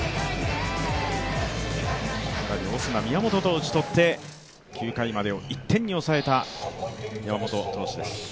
オスナ、宮本と打ち取って９回までを１点に抑えた山本投手です。